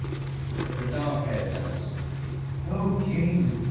"j!? Said the dark/haired damsel: *'0 King!